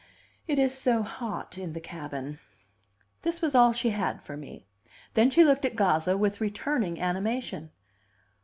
"It is so hot in the cabin." This was all she had for me. Then she looked at Gazza with returning animation.